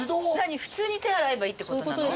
普通に手洗えばいいってことなの？